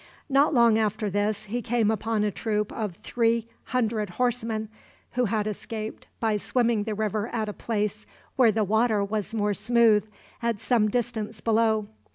Not long after this he came upon a troop of three hundred horsemen, who had escaped by swimming the river at a place where the water was more smooth, at some distance below.